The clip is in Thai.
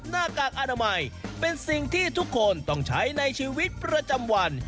หน้ากากอนามัยเป็นสิ่งที่ทุกคนต้องใช้ในชีวิตประจำวัน